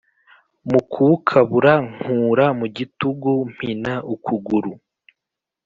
Mu kuwukabura nkura mugitugu mpina ukuguru